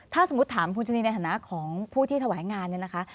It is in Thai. ถ้าสมมุติถามคุณชนีในฐานะของผู้ที่ถวายงานเนี่ยนะคะ